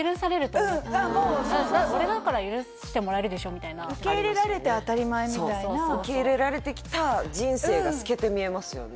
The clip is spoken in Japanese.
俺だから許してもらえるでしょみたいな受け入れられて当たり前みたいな受け入れられてきた人生が透けて見えますよね